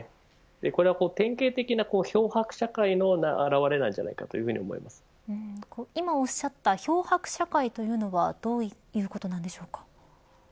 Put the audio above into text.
これは典型的な漂白社会の表れなんじゃないか今おっしゃった漂白社会というのはどういうことなんでしょうか。